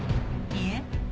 いいえ。